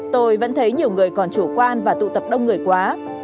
tôi vẫn thấy nhiều người còn chủ quan và tụ tập đông người quá